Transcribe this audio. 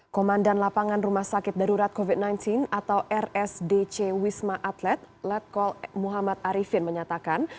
komandan lapangan rumah sakit darurat covid sembilan belas atau rsdc wisma atlet letkol muhammad arifin menyatakan